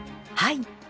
はい。